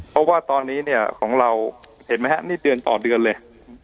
เพราะว่าตอนนี้เนี่ยของเราเห็นไหมฮะนี่เดือนต่อเดือนเลย